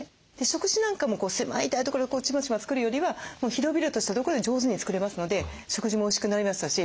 食事なんかも狭い台所でチマチマ作るよりはもう広々としたとこで上手に作れますので食事もおいしくなりましたし